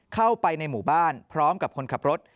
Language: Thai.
เข้าไปในหมู่บ้านพร้อมกับคนขับรถ